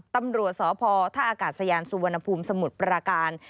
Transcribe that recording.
ตำรวจสพท่าอากาศยานสุวรรณภูมิสมุทรปราการ